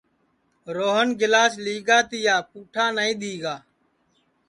روہن گِلاس لِگا تیا پُوٹھا نائی دؔی گا